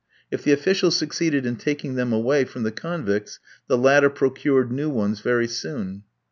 If the official succeeded in taking them away from the convicts, the latter procured new ones very soon.